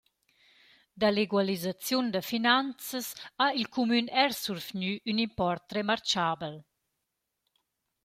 Da l’egualiaziun da finanzas ha il cumün eir survgni ün import remarchabel.